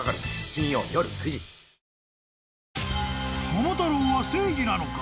［桃太郎は正義なのか？